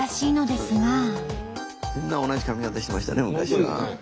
スタジオみんな同じ髪形してましたね昔は。